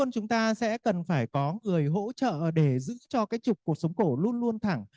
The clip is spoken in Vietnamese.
cần phải có người hỗ trợ để giữ cho cái trục cột sống cổ luôn luôn thẳng